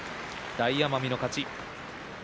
大奄美の勝ち。